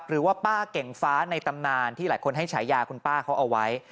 หรือว่าป้าเก่งฟ้าในตำนานที่หลายคนให้ฉายาคุณป้าเขาเอาไว้